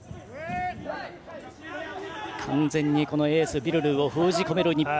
完全にエースのビルルーを封じ込めている日本